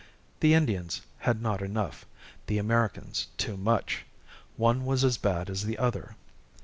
The Indians had not enough, the Americans, too much. One was as bad as the other.